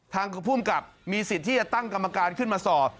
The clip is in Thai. ทางภูมิกับมีสิทธิ์ที่จะตั้งกรรมการขึ้นมาสอบ